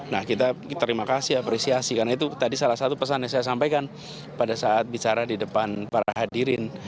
nah kita terima kasih apresiasi karena itu tadi salah satu pesan yang saya sampaikan pada saat bicara di depan para hadirin